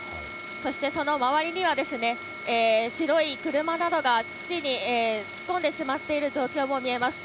そしてその周りには、白い車などが土に突っ込んでしまっている状況も見えます。